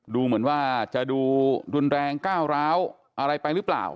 ดูเหมือนว่าจะดูรุนแรงก้าวร้าวอะไรไปหรือเปล่า